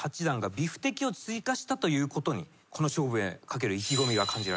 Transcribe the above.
ビフテキを追加したということにこの勝負へ懸ける意気込みが感じられます。